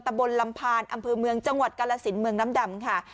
บนลำพานอำเภอเมืองจังหวัดกาลสินเมืองน้ำดำค่ะ